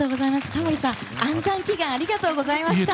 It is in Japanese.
タモリさん、安産祈願ありがとうございました。